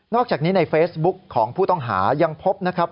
อกจากนี้ในเฟซบุ๊กของผู้ต้องหายังพบนะครับ